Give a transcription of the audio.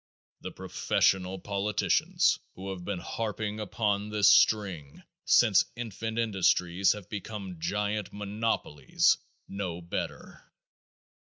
The professional politicians who have been harping upon this string since infant industries have become giant monopolies know better.